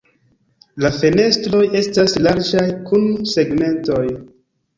La fenestroj estas larĝaj kun segmentoj.